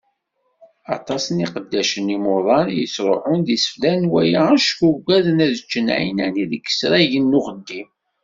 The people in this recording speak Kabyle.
Aṭas n yiqeddacen imuḍan i yettruḥun d iseflan n waya acku uggaden ad ččen ɛinani deg yisragen n uxeddim.